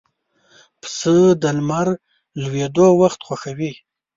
پسه د لمر لوېدو وخت خوښوي.